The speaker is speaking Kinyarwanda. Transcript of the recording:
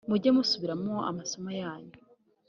mujye musubiramo amasomo yanyu.